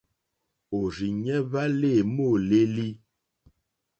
Òrzìɲɛ́ hwá lê môlélí.